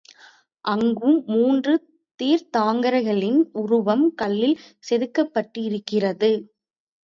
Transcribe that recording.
அங்கும் மூன்று தீர்த்தாங்கரர்களின் உருவம் கல்லில் செதுக்கப்பட்டிருக்கிறது.